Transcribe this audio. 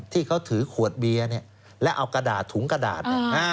ที่เขาถือขวดเบียร์และเอากระดาษถุงกระดาษ